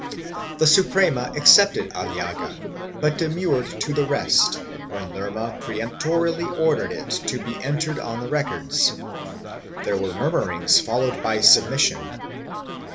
The Suprema accepted Aliaga but demurred to the rest, when Lerma peremptorily ordered it to be entered on the records; there were murmurings followed by submission.